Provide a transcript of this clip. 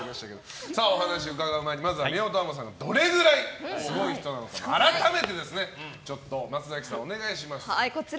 お話伺う前にまずは宮本亞門さんがどれくらいすごい人なのか改めて松崎さん、お願いします。